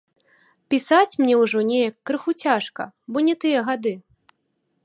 Пісаць мне ўжо неяк крыху цяжка, бо не тыя гады.